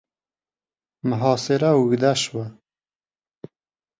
محاصره اوږده شوه.